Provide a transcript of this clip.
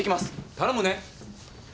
頼むね。